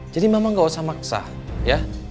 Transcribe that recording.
jadi mama nggak usah maksa ya